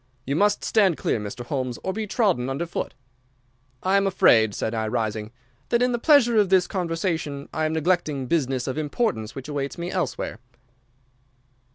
You must stand clear, Mr. Holmes, or be trodden under foot.' "'I am afraid,' said I, rising, 'that in the pleasure of this conversation I am neglecting business of importance which awaits me elsewhere.